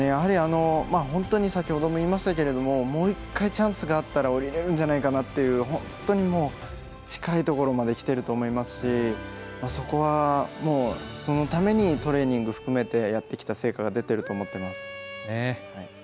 本当に先ほども言いましたがもう１回チャンスがあったら降りられるんじゃないかなという本当に近いところまできていると思いますしそこは、そのためにトレーニング含めてやってきた成果が出ていると思います。